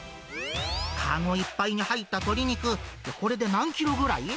籠いっぱいに入った鶏肉、これで何キロぐらい？